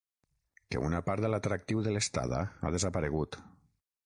Que una part de l’atractiu de l’estada ha desaparegut.